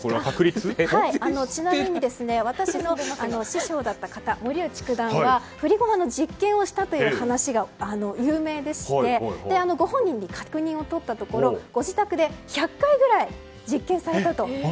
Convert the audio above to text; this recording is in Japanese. ちなみに私の師匠だった森内九段は振り駒の実験をしたという話が有名でしてご本人に確認を取ったところご自宅で１００回ぐらい実験されたと。